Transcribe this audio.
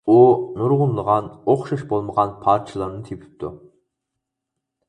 ئۇ نۇرغۇنلىغان ئوخشاش بولمىغان پارچىلارنى تېپىپتۇ.